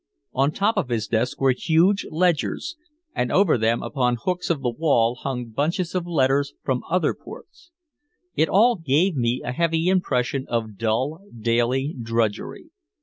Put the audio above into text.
On top of his desk were huge ledgers, and over them upon hooks on the wall hung bunches of letters from other ports. It all gave me a heavy impression of dull daily drudgery.